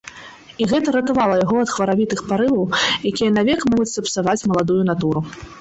І гэта ратавала яго ад хваравітых парываў, якія навек могуць сапсаваць маладую натуру.